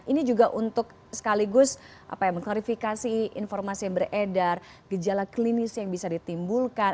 ini juga untuk sekaligus mengklarifikasi informasi yang beredar gejala klinis yang bisa ditimbulkan